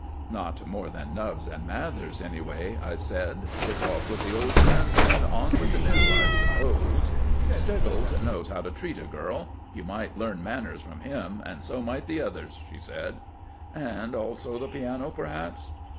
"Not more than Nubbs and Mathers, anyway," I said. "It's off with the old friends and on with the new, I suppose." "Steggles knows how to treat a girl. You might learn manners from him, and so might the others," she said. "And also the piano, perhaps?"